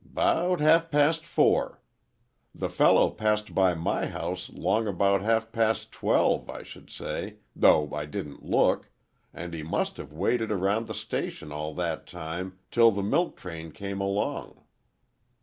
"'Bout half past four. The fellow passed my house 'long about half past twelve, I should say—though I didn't look, and he must have waited around the station all that time till the milk train came along."